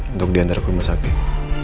untuk diantar ke rumah sakit